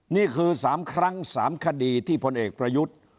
นี่คือ๓ครั้ง๓คดีที่พลเอกประยุทธ์